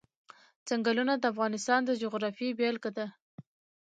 ځنګلونه د افغانستان د جغرافیې بېلګه ده.